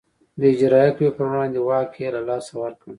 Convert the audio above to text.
د اجرایه قوې پر وړاندې واک یې له لاسه ورکړ.